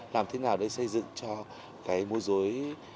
làm thế nào để xây dựng cho mùa dối